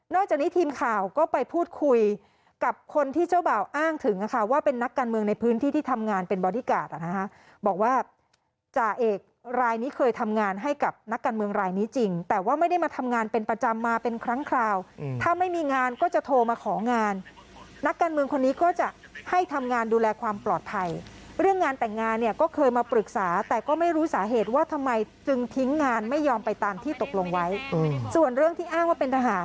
นอกจากนี้ทีมข่าวก็ไปพูดคุยกับคนที่เจ้าบ่าวอ้างถึงนะคะว่าเป็นนักการเมืองในพื้นที่ที่ทำงานเป็นบอดี้การ์ดนะคะบอกว่าจ่าเอกรายนี้เคยทำงานให้กับนักการเมืองรายนี้จริงแต่ว่าไม่ได้มาทำงานเป็นประจำมาเป็นครั้งคราวถ้าไม่มีงานก็จะโทรมาของานนักการเมืองคนนี้ก็จะให้ทำงานดูแลความปลอดภัยเรื่องงานแต่งงานเนี่ยก็